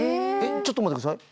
ちょっと待って下さい。